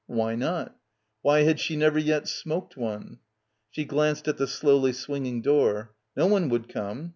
Why not? Why had she never yet smoked one? She glanced at the slowly swinging door. No one would come.